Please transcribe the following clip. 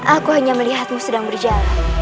aku hanya melihatmu sedang berjalan